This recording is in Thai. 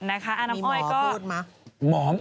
มีหมอพูดหรือเปล่า